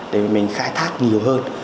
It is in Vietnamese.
để mình khai thác nhiều hơn